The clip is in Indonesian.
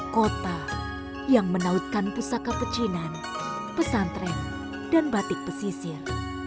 kota yang menautkan pusaka pecinan pesantren dan batik pesisir